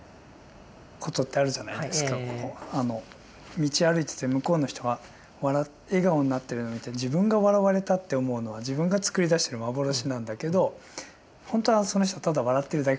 道歩いてて向こうの人が笑顔になってるのを見て自分が笑われたって思うのは自分が作り出してる幻なんだけどほんとはその人ただ笑ってるだけかもしれないという。